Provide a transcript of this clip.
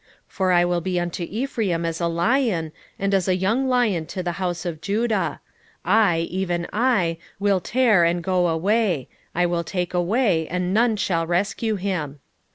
5:14 For I will be unto Ephraim as a lion, and as a young lion to the house of Judah: I, even I, will tear and go away; I will take away, and none shall rescue him.